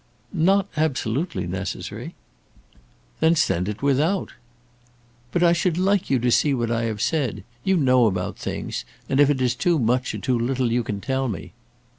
"Not absolutely necessary." "Then send it without." "But I should like you to see what I have said. You know about things, and if it is too much or too little, you can tell me."